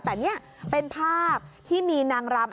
แต่นี่เป็นภาพที่มีนางรำ